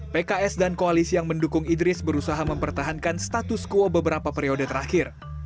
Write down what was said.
pks dan koalisi yang mendukung idris berusaha mempertahankan status quo beberapa periode terakhir